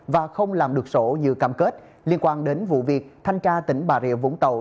và không làm được sổ như cam kết liên quan đến vụ việc thanh tra tỉnh bà rịa vũng tàu